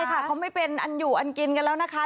ใช่ค่ะเขาไม่เป็นอันอยู่อันกินกันแล้วนะคะ